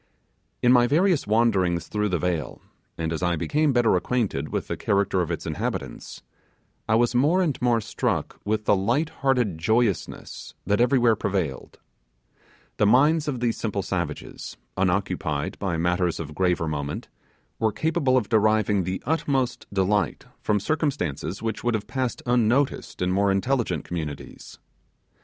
In my various wanderings through the vale, and as I became better acquainted with the character of its inhabitants, I was more and more struck with the light hearted joyousness that everywhere prevailed. The minds of these simple savages, unoccupied by matters of graver moment, were capable of deriving the utmost delight from circumstances which would have passed unnoticed in more intelligent communities.